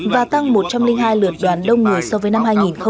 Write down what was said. và tăng một trăm linh hai lượt đoàn đông người so với năm hai nghìn hai mươi hai